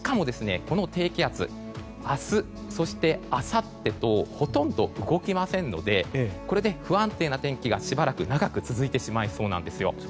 この低気圧、明日あさってとほとんど動きませんのでこれで不安定な天気がしばらく長く続いてしまいそうなんですよ。